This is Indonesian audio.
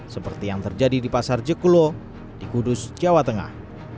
seperti yang terjadi di pasar jekulo di kudus jawa tengah